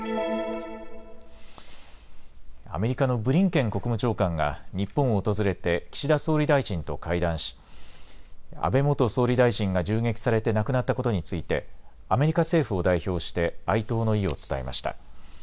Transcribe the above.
アメリカのブリンケン国務長官が日本を訪れて岸田総理大臣と会談し、安倍元総理大臣が銃撃されて亡くなったことについてアメリカ政府を代表して哀悼の意を伝えました。